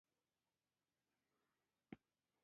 د علم او پوهې له لارې د مشکلاتو حل ممکن دی.